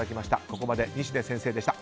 ここまで西出先生でした。